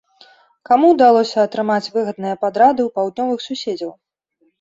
Каму ўдалося атрымаць выгадныя падрады у паўднёвых суседзяў?